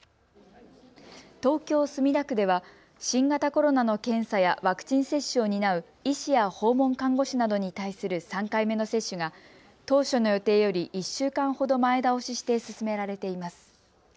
東京墨田区では新型コロナの検査やワクチン接種を担う医師や訪問看護師などに対する３回目の接種が当初の予定より１週間ほど前倒しして進められています。